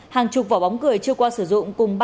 hàng chục vỏ bóng cười chưa qua sử dụng